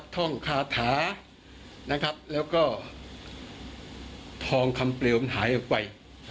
ท่องคาถาและก็ทองคำเปลวมันมันหายไป